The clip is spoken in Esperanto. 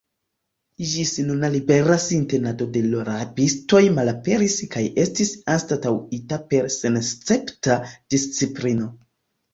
Ĝisnuna libera sintenado de l' rabistoj malaperis kaj estis anstataŭita per senescepta disciplino.